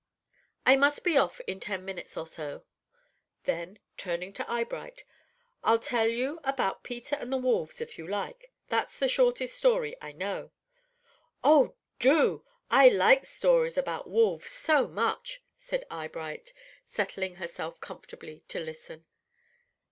I must be off in ten minutes or so." Then, turning to Eyebright, "I'll tell you about Peter and the Wolves, if you like. That's the shortest story I know." "Oh, do! I like stories about wolves so much," said Eyebright, settling herself comfortably to listen.